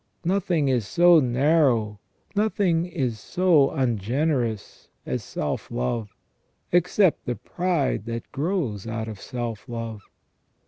Nothing is so narrow, nothing is so un generous, as self love, except the pride that grows out of self love.